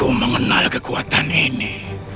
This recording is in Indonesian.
aku mengenal kekuatan ini